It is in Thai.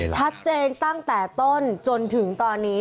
ชัดเจนตั้งแต่ต้นจนถึงตอนนี้